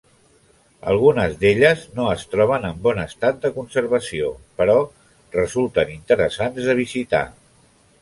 Algunes d'elles no es troben en bon estat de conservació, però resulten interessants de visitar.